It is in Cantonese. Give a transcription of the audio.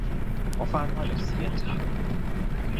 我翻開歷史一查，